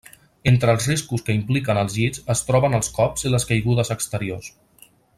Entre els riscos que impliquen els llits es troben els cops i les caigudes exteriors.